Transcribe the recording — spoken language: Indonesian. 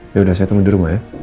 ya udah saya tunggu di rumah ya